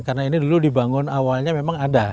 karena ini dulu dibangun awalnya memang ada